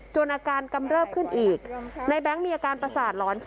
อาการกำเริบขึ้นอีกในแบงค์มีอาการประสาทหลอน